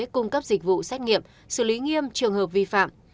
cung cấp dịch vụ xét nghiệm xử lý nghiêm trường hợp vi phạm